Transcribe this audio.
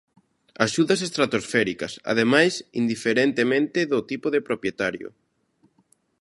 ¡Axudas estratosféricas!, ademais, indiferentemente do tipo de propietario.